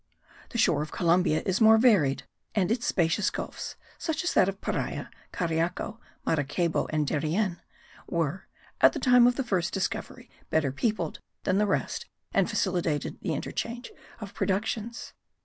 The shore of Columbia is more varied, and its spacious gulfs, such as that of Paria, Cariaco, Maracaybo, and Darien, were, at the time of the first discovery better peopled than the rest and facilitated the interchange of productions.